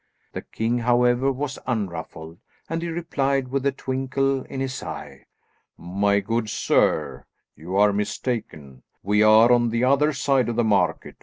The king, however, was unruffled, and he replied with a twinkle in his eye, "My good sir, you are mistaken, we are on the other side of the market.